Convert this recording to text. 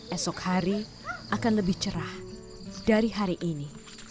esok hari akan lebih cerah dari hari ini